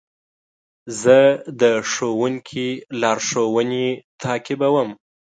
زه د ښوونکي لارښوونې تعقیبوم.